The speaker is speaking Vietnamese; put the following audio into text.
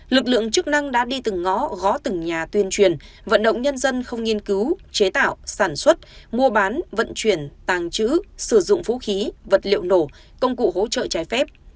lực lượng chức năng đã đi từng ngõ gó từng nhà tuyên truyền vận động nhân dân không nghiên cứu chế tạo sản xuất mua bán vận chuyển tàng trữ sử dụng vũ khí vật liệu nổ công cụ hỗ trợ trái phép